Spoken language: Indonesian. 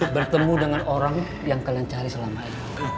bertemu dengan orang yang kalian cari selama ini